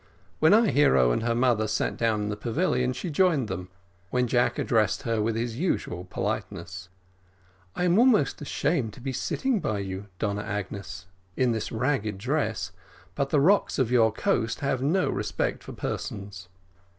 When our hero and her mother sat down in the pavilion she joined them, when Jack addressed her with his usual politeness. "I am almost ashamed to be sitting by you, Donna Agnes, in this ragged dress but the rocks of your coast have no respect for persons."